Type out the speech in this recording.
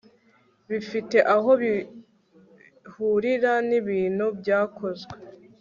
bifite aho bihurira n ibikorwa byakozwe